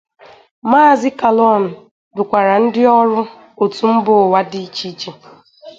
Maazị Kallon dùkwàrà ndị ọrụ òtù mba ụwa dị icheiche